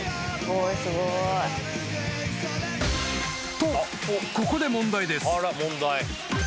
［とここで問題です］